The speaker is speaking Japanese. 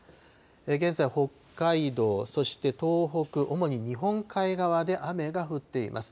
現在、北海道、そして東北、主に日本海側で雨が降っています。